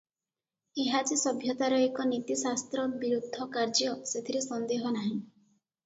ଏହା ଯେ ସଭ୍ୟତାର ଏକ ନୀତିଶାସ୍ତ୍ର ବିରୁଦ୍ଧ କାର୍ଯ୍ୟ ସେଥିରେ ସନ୍ଦେହ ନାହିଁ ।